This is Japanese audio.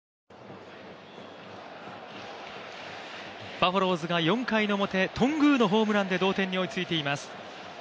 バファローズが４回の表頓宮のホームランで同点に追いついています。